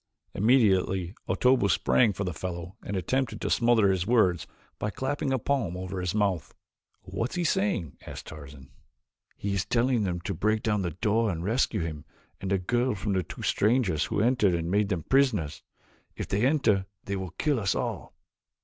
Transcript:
Immediately Otobu sprang for the fellow and attempted to smother his words by clapping a palm over his mouth. "What is he saying?" asked Tarzan. "He is telling them to break down the door and rescue him and the girl from two strangers who entered and made them prisoners. If they enter they will kill us all."